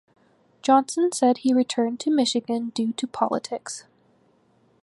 Johnson said he returned to Michigan due to politics.